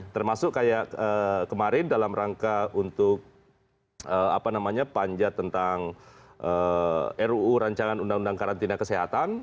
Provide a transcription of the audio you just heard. termasuk kayak kemarin dalam rangka untuk panjat tentang ruu rancangan undang undang karantina kesehatan